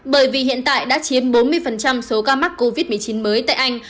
bởi vì hiện tại đã chiếm bốn mươi số ca mắc covid một mươi chín mới tại anh